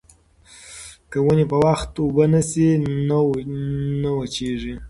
که ونې په وخت اوبه نه شي نو وچېږي.